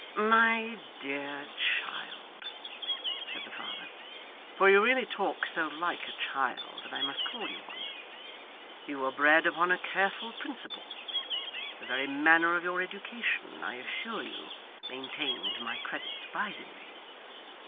'My dear child,' said the father 'for you really talk so like a child that I must call you one you were bred upon a careful principle; the very manner of your education, I assure you, maintained my credit surprisingly.